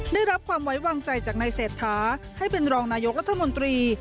ได้รับความไว้วางใจจากนายเศรษฐาให้เป็นรองนายกรัฐมนตรี